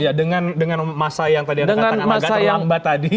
iya dengan masa yang tadi anda katakan agak terlambat tadi